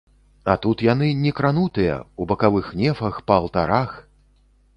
А тут яны, некранутыя, у бакавых нефах, па алтарах!